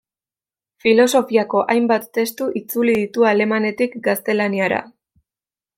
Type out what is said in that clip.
Filosofiako hainbat testu itzuli ditu alemanetik gaztelaniara.